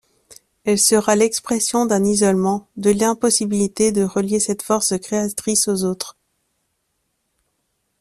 Elle sera l’expression d’un isolement, de l’impossibilité de relier cette force créatrice aux autres.